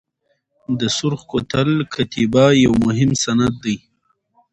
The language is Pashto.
د سرخ کوتل کتیبه یو مهم سند دی.